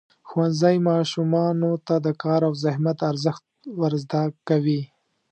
ښوونځی ماشومانو ته د کار او زحمت ارزښت ورزده کوي.